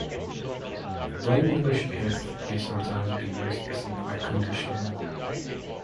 The plain English "if'" may sometimes be used as a biconditional.